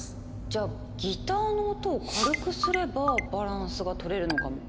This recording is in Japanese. じゃあギターの音を軽くすればバランスが取れるのかも。